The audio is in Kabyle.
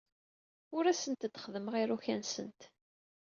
Ur asent-d-xeddmeɣ iruka-nsent.